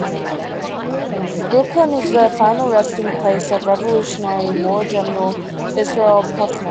Brooklyn is the final resting place of Revolutionary War General Israel Putnam.